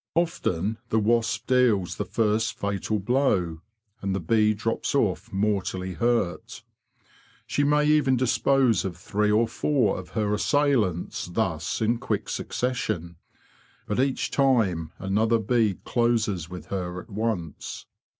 Often the wasp deals the first fatal blow, and the bee drops off mortally hurt. She may even dispose of three or four of her assailants thus in quick succession. But each time another bee closes with her at once.